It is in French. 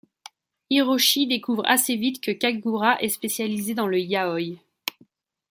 Hiroshi découvre assez vite que Kagura est spécialisé dans le yaoi.